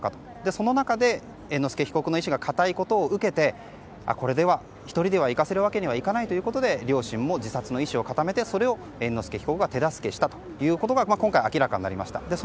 その中で、猿之助被告の意志が固いことを受けてこれでは１人では逝かせるわけにはいかないということで両親も自殺の意思を固めてそれを猿之助被告が手助けしたということが今回明らかになりました。